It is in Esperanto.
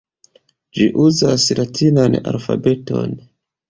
Ĝi uzas latinan alfabeton.